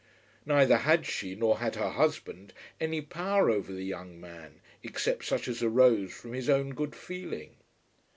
Neither had she nor had her husband any power over the young man, except such as arose from his own good feeling.